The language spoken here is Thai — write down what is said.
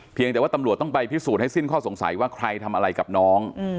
แต่ว่าตำรวจต้องไปพิสูจน์ให้สิ้นข้อสงสัยว่าใครทำอะไรกับน้อง